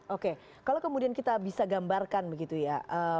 oke kalau kemudian kita bisa gambarkan begitu ya